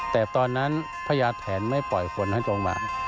แต่ตอนนั้นพญาแทนไม่ปล่อยฝนให้ตกมา